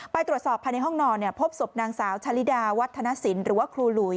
ไปตรวจสอบภายในห้องนอนพบศพนางสาวชะลิดาวัฒนศิลป์หรือว่าครูหลุย